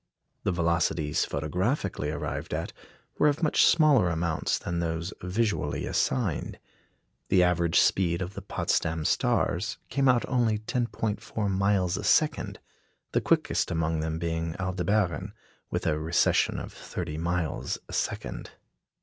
The velocities photographically arrived at were of much smaller amounts than those visually assigned. The average speed of the Potsdam stars came out only 10·4 miles a second, the quickest among them being Aldebaran, with a recession of thirty miles a second.